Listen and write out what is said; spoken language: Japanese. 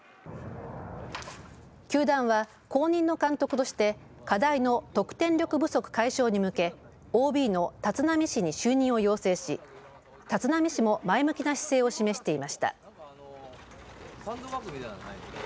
球団は、後任の監督として課題の得点力不足解消に向けＯＢの立浪氏に就任を要請し立浪氏も前向きな姿勢を示していました。